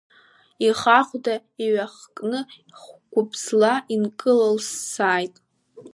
Ихахәда иҩахыкны хәгабзла инкылылсааит.